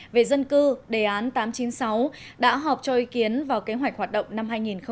về dân cư đề án tám trăm chín mươi sáu đã họp cho ý kiến vào kế hoạch hoạt động năm hai nghìn hai mươi